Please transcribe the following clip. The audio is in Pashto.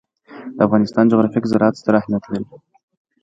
د افغانستان جغرافیه کې زراعت ستر اهمیت لري.